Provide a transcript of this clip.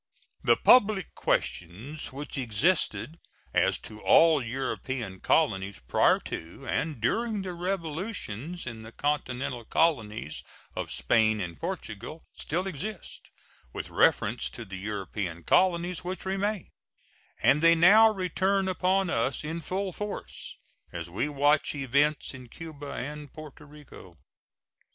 The public questions which existed as to all European colonies prior to and during the revolutions in the continental colonies of Spain and Portugal still exist with reference to the European colonies which remain; and they now return upon us in full force, as we watch events in Cuba and Porto Rico.